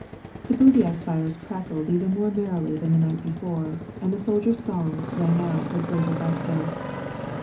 The bivouac fires crackled even more merrily than the night before, and the soldiers' songs rang out with still greater gusto.